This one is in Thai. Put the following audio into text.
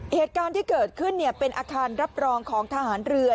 เหตุการณ์ที่เกิดขึ้นเป็นอาคารรับรองของทหารเรือ